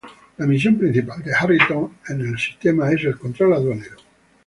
La misión principal de Harrington en el sistema es el control aduanero.